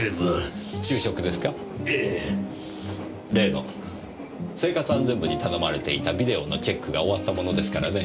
例の生活安全部に頼まれていたビデオのチェックが終わったものですからね。